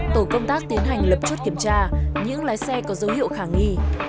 tổ công tác tiến hành lập chốt kiểm tra những lái xe có dấu hiệu khả nghi